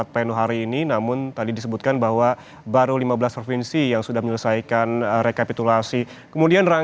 baik ya iyan dan saudara